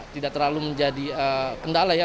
tidak terlalu menjadi kendala ya